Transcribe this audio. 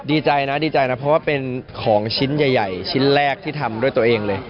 ดีใจนะดีใจนะเพราะว่าเป็นของชิ้นใหญ่ชิ้นแรกที่ทำด้วยตัวเองเลย